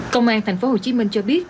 công an tp hcm cho biết